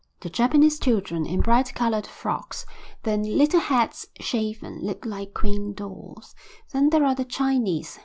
The Japanese children, in bright coloured frocks, their little heads shaven, look like quaint dolls. Then there are the Chinese.